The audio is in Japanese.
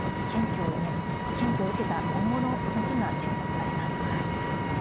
検挙を受けた今後の動きが注目されます。